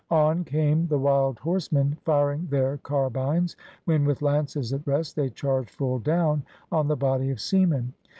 On came the wild horsemen firing their carbines, when, with lances at rest, they charged full down on the body of seamen.